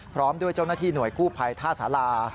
พร้อมด้วยเจ้าหน้าที่หน่วยกู้ภัยท่าสารา